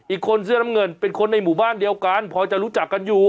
อีกคนเสื้อน้ำเงินเป็นคนในหมู่บ้านเดียวกันพอจะรู้จักกันอยู่